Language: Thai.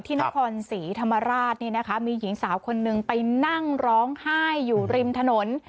ที่นครศรีธรรมราชมีหญิงสาวคนหนึ่งไปนั่งร้องไห้อยู่ริมถนน